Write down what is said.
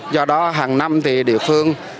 do đó hàng năm thì địa phương